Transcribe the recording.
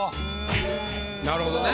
なるほどね。